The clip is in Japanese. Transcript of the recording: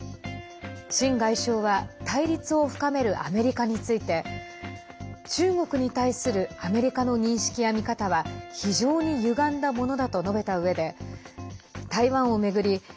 秦外相は対立を深めるアメリカについて中国に対するアメリカの認識や見方は非常にゆがんだものだと述べたうえで台湾を巡り